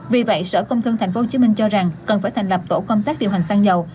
vì vậy sở công thương tp hcm cho rằng cần phải thành lập tổ công tác điều hành xăng dầu